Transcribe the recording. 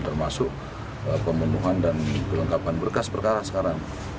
termasuk pembentuhan dan kelengkapan berkas perkara